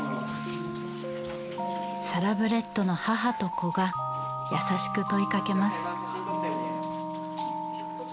サラブレッドの母と子が優しく問いかけます。